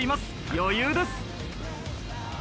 余裕です。